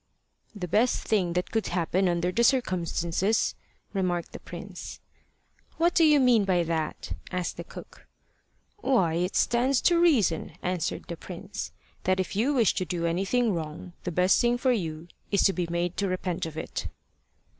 "The best thing that could happen under the circumstances," remarked the prince. "What do you mean by that?" asked the cook. "Why, it stands to reason," answered the prince "that if you wish to do anything wrong, the best thing for you is to be made to repent of it."